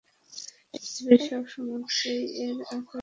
পৃথিবীর সব সমুদ্রই এর আওতাভুক্ত।